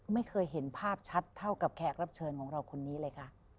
ไม่เคยเห็นภาพชัดเท่ากับแขกรับเชิญของเราคนนี้เลยค่ะ